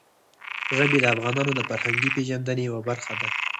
ژبې د افغانانو د فرهنګي پیژندنې یوه برخه ده.